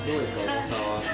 重さは。